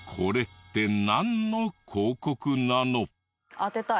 当てたい。